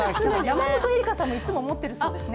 山本恵里伽さんもいつも持っているそうですね